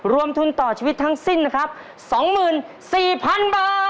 ทุนต่อชีวิตทั้งสิ้นนะครับ๒๔๐๐๐บาท